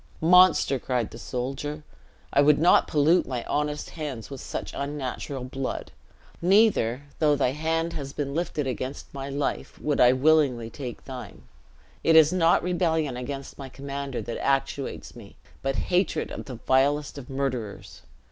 "Monster!" cried the soldier, "I wold not pollute my honest hands with such unnatural blood. Neither, though thy hand has been lifted against my life, would I willingly take thine. It is not rebellion against my commander that actuates me, but hatred of the vilest of murderers.